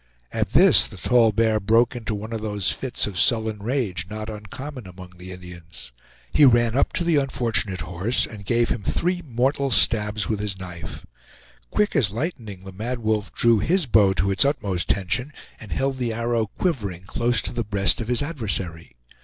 At this the Tall Bear broke into one of those fits of sullen rage not uncommon among the Indians. He ran up to the unfortunate horse, and gave him three mortals stabs with his knife. Quick as lightning the Mad Wolf drew his bow to its utmost tension, and held the arrow quivering close to the breast of his adversary.